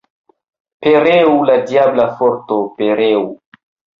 Pereu la diabla forto, pereu!